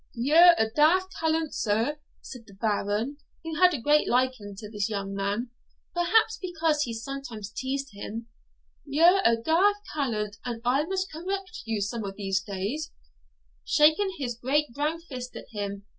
'Ye're a daft callant, sir,' said the Baron, who had a great liking to this young man, perhaps because he sometimes teased him 'Ye're a daft callant, and I must correct you some of these days,' shaking his great brown fist at him.